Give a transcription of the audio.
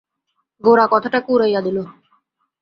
গোরা কথাটাকে উড়াইয়া দিল।